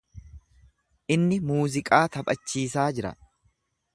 Inni muuziqaa taphachisaa jira.